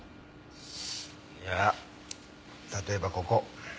いや例えばここ。